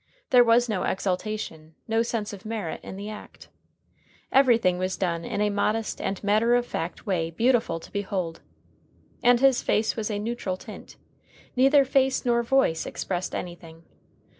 There was no exultation, no sense of merit in the act. Everything was done in a modest and matter of course way beautiful to behold. And his face was a neutral tint. Neither face nor voice expressed anything.